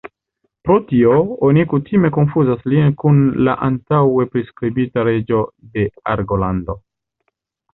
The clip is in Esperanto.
Pro tio, oni kutime konfuzas lin kun la antaŭe priskribita reĝo de Argolando.